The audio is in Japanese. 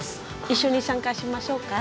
一緒に参加しましょうか。